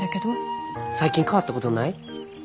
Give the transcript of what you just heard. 最近変わったことない？